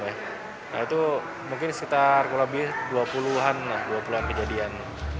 nah itu mungkin sekitar kalau lebih dua puluh an kejadian